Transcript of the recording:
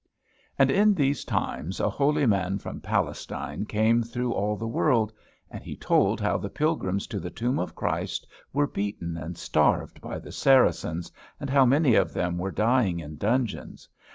And in these times a holy man from Palestine came through all the world; and he told how the pilgrims to the tomb of Christ were beaten and starved by the Saracens, and how many of them were dying in dungeons.